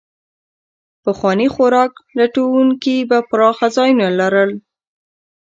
پخواني خوراک لټونکي به پراخه ځایونه لرل.